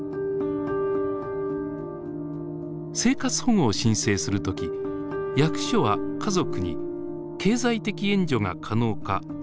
生活保護を申請する時役所は家族に経済的援助が可能か問い合わせをします。